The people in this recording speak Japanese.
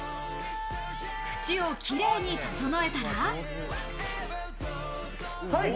縁をキレイに整えたら。